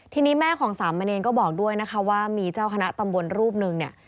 ทีนี้แม่ของสามเณรก็บอกด้วยนะคะว่ามีเจ้าคณะตำบลรูปหนึ่งเนี่ย